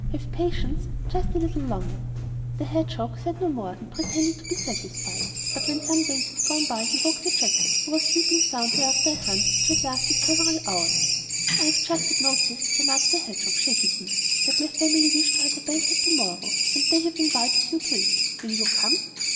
Have patience just a little longer.' The hedgehop said no more, and pretended to be satisfied; but when some days had gone by he woke the jackal, who was sleeping soundly after a hunt which had lasted several hours. 'I have just had notice,' remarked the hedgehog, shaking him, 'that my family wish to have a banquet to morrow, and they have invited you to it. Will you come?